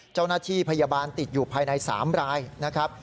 เจ้าหน้าที่พยาบาลติดอยู่ภายใน๓รายนะครับ